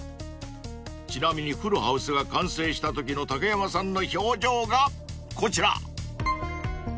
［ちなみにフルハウスが完成したときの竹山さんの表情がこちら］